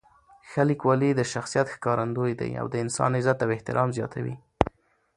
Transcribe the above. ښه لیکوالی د شخصیت ښکارندوی دی او د انسان عزت او احترام زیاتوي.